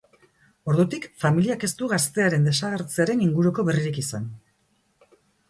Ordutik, familiak ez du gaztearen desagertzearen inguruko berririk izan.